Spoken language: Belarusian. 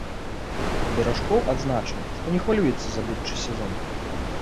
Беражкоў адзначыў, што не хвалюецца за будучы сезон.